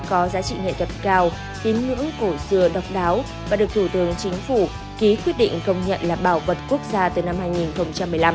có giá trị nghệ thuật cao tín ngưỡng cổ xưa độc đáo và được thủ tướng chính phủ ký quyết định công nhận là bảo vật quốc gia từ năm hai nghìn một mươi năm